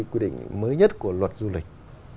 quy định mới nhất của luật du lịch